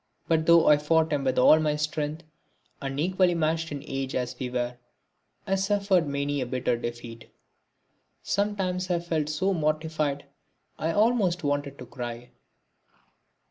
But though I fought him with all my strength, unequally matched in age as we were, I suffered many a bitter defeat. Sometimes I felt so mortified I almost wanted to cry.